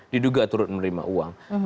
diduga turut menerima uang